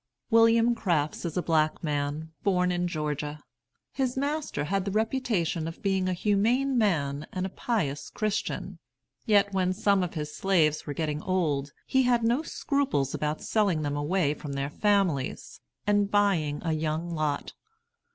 William Crafts is a black man, born in Georgia. His master had the reputation of being a humane man and a pious Christian. Yet, when some of his slaves were getting old, he had no scruples about selling them away from their families, and buying a young lot.